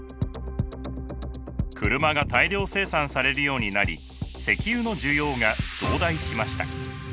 車が大量生産されるようになり石油の需要が増大しました。